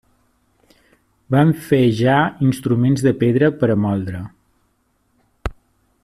Van fer ja instruments de pedra per a moldre.